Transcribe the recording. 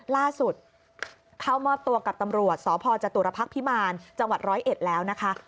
ล่าสุดเข้ามอบตัวกับตำรวจสพจตุรพักษ์พิมารจังหวัด๑๐๑แล้วนะคะ